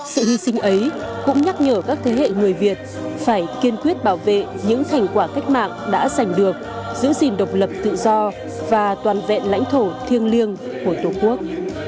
sự hy sinh ấy cũng nhắc nhở các thế hệ người việt phải kiên quyết bảo vệ những thành quả cách mạng đã giành được giữ gìn độc lập tự do và toàn vẹn lãnh thổ thiêng liêng của tổ quốc